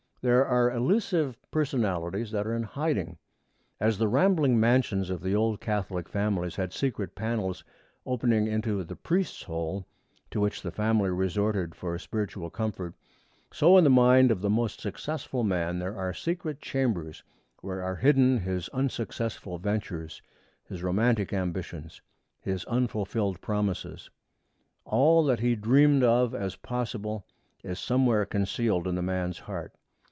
There are elusive personalities that are in hiding. As the rambling mansions of the old Catholic families had secret panels opening into the 'priest's hole,' to which the family resorted for spiritual comfort, so in the mind of the most successful man there are secret chambers where are hidden his unsuccessful ventures, his romantic ambitions, his unfulfilled promises. All that he dreamed of as possible is somewhere concealed in the man's heart.